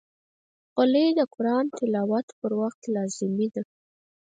خولۍ د قرآن تلاوت پر وخت لازمي ده.